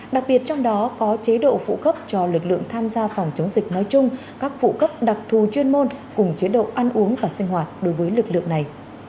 đặc biệt trong đó có chế độ phụ cấp cho lực lượng tham gia phòng chống dịch nói chung các phụ cấp đặc thù chuyên môn cùng chế độ ăn uống và sinh hoạt đối với lực lượng này